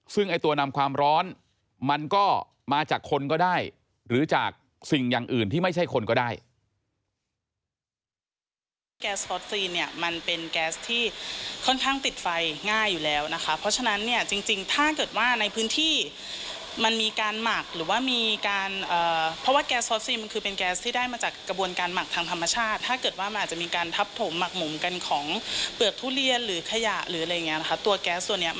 ซึ่งตัวนำความร้อนมันก็มาจากคนก็ได้หรือจากสิ่งอย่างอื่นที่ไม่ใช่คนก็ได้